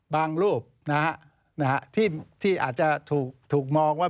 บางรูปที่อาจจะถูกมองว่า